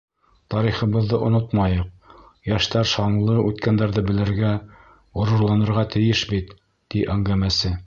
Тарихыбыҙҙы онотмайыҡ, йәштәр шанлы үткәндәрҙе белергә, ғорурланырға тейеш бит, — ти әңгәмәсе.